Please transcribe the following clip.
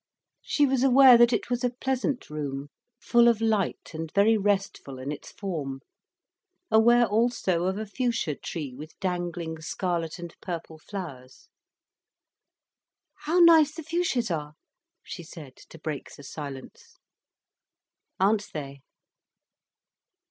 She was aware that it was a pleasant room, full of light and very restful in its form—aware also of a fuchsia tree, with dangling scarlet and purple flowers. "How nice the fuchsias are!" she said, to break the silence. "Aren't they!